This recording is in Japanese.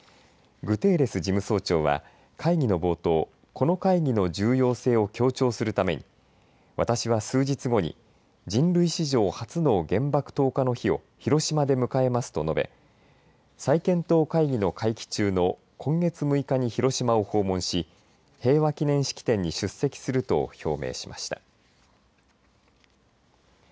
グテーレス事務総長は会議の冒頭、この会議の重要性を強調するために私は、数日後に人類史上初の原爆投下の日を広島で迎えますと述べ再検討会議の会期中の今月６日に広島を訪問し平和記念式典に出席すると表明しました。